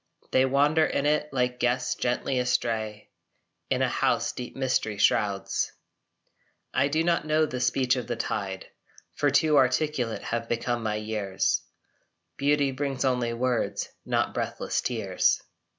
They wander in it like guests gently astray In a house deep mystery shrouds. I do not know the speech of the tide, For too articulate have become my years: Beauty brings only words, not breathless tears.